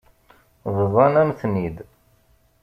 Bḍan-am-ten-id.